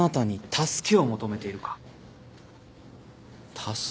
助け？